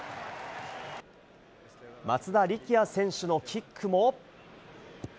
松田力也選手のキックも。